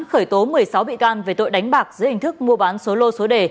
khởi tố một mươi sáu bị can về tội đánh bạc dưới hình thức mua bán số lô số đề